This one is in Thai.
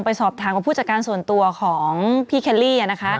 ไปสอบถามกับผู้จัดการส่วนตัวของพี่เคลลี่นะคะ